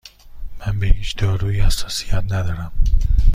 من به هیچ دارویی حساسیت ندارم.